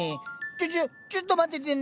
ちょちょちょっと待っててね！